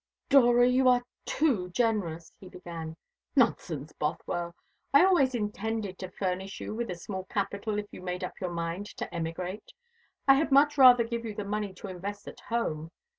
"Dora, you are too generous " he began. "Nonsense, Bothwell. I always intended to furnish you with a small capital if you made up your mind to emigrate. I had much rather give you the money to invest at home.